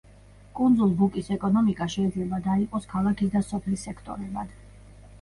კუნძულ ბუკის ეკონომიკა შეიძლება დაიყოს ქალაქის და სოფლის სექტორებად.